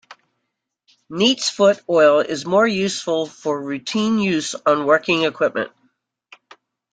Neatsfoot oil is more useful for routine use on working equipment.